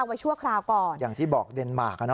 ไว้ชั่วคราวก่อนอย่างที่บอกเดนมาร์คอ่ะเน